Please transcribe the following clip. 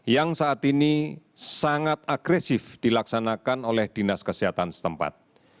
yang saat ini sangat agresif dilaksanakan oleh dinas kesehatan setempat